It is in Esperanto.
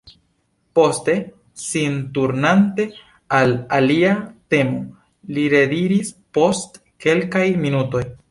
Poste, sin turnante al alia temo, li rediris post kelkaj minutoj: